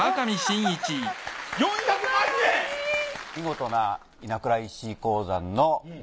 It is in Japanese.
見事な稲倉石鉱山の菱